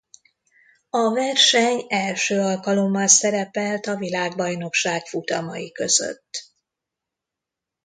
A verseny első alkalommal szerepelt a világbajnokság futamai között.